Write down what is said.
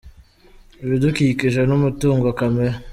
ibidukikije n’umutungo kamere.